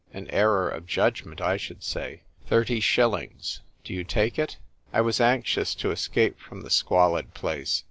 "An error of judgment, I should say. Thirty shillings. Do you take it ?" I was anxious to escape from the squalid place.